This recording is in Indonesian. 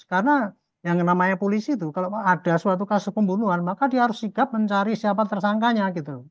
karena yang namanya polisi itu kalau ada suatu kasus pembunuhan maka dia harus sigap mencari siapa tersangkanya